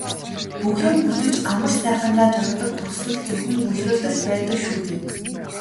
Бүх юм бүтэж амар сайхандаа жаргадаг төгсгөл зөвхөн үлгэрт л байдаг шүү дээ.